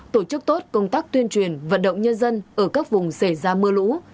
tổ chức tốt công tác tuyên truyền vận động nhân dân ở các vùng xảy ra mưa lũ